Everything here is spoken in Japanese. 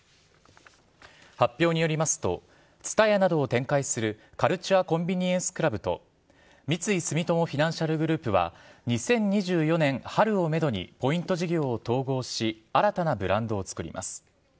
発表によりますと、ＴＳＵＴＡＹＡなどを展開する、カルチュア・コンビニエンス・クラブと三井住友フィナンシャルグループは、２０２４年春をメドにポイント事業を統合し、新たなブランドを作ります。